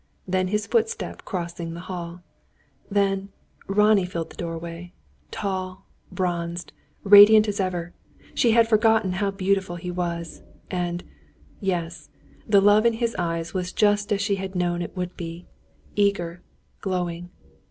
Then his footstep crossing the hall. Then Ronnie filled the doorway; tall, bronzed, radiant as ever! She had forgotten how beautiful he was. And yes the love in his eyes was just as she had known it would be eager, glowing.